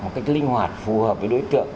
một cách linh hoạt phù hợp với đối tượng